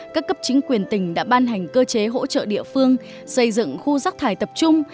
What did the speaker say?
các cấp chính quyền tỉnh đã ban hành cơ chế hỗ trợ địa phương xây dựng khu rác thải tập trung